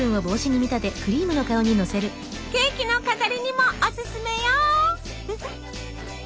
ケーキの飾りにもおすすめよ。